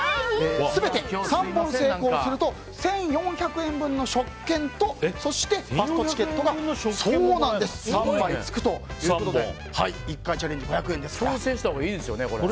全て３本成功すると１４００円分の食券とそして、ファストチケットが３枚つくということで挑戦したほうがいいですよね。